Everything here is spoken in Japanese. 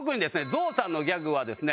「ぞうさん」のギャグはですね